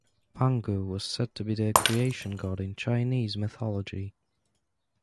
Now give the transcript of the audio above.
Pangu was said to be the creation god in Chinese mythology.